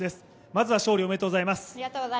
まずは勝利、おめでとうございます。